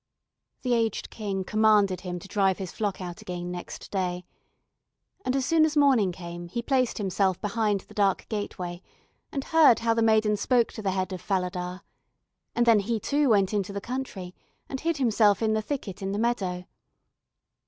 The aged King commanded him to drive his flock out again next day, and as soon as morning came, he placed himself behind the dark gateway, and heard how the maiden spoke to the head of Falada, and then he too went into the country, and hid himself in the thicket in the meadow.